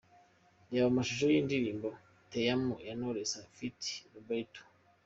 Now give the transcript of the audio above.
Reba amashusho y'indirimbo 'Te amo' ya Knowless ft Roberto.